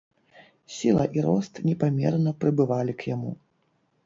Сіла і рост непамерна прыбывалі к яму.